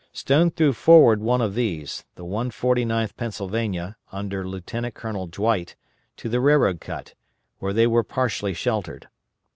Stone threw forward one of these the 149th Pennsylvania, under Lieutenant Colonel Dwight, to the railroad cut, where they were partially sheltered.